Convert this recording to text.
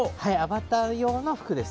アバター用の服です。